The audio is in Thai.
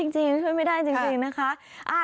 จริงยังช่วยไม่ได้จริงนะคะ